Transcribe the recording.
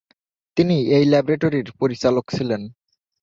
তিনি এই ল্যাবরেটরির পরিচালক ছিলেন।